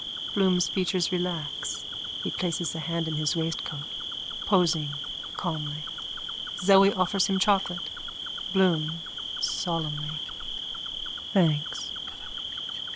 Bloom's features relax. He places a hand in his waistcoat, posing calmly. Zoe offers him chocolate.)_ BLOOM: (Solemnly.) Thanks.